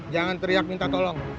jangan teriak minta tolong